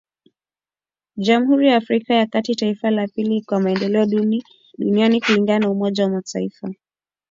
Jamhuri ya Afrika ya kati, taifa la pili kwa maendeleo duni duniani kulingana na umoja wa mataifa .